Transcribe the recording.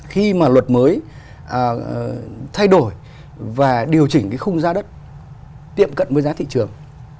khi mà luật mới thay đổi và điều chỉnh cái khung giá đất tiệm cận với giá thị trường